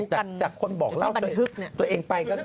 ถ้าบันทึกเนี่ยตัวเองไปก็